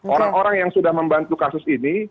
orang orang yang sudah membantu kasus ini